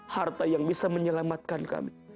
harta yang bisa menyelamatkan kami